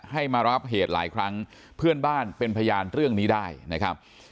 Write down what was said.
ให้มารับเหตุหลายครั้งเพื่อนบ้านเป็นพยานเรื่องนี้ได้นะครับ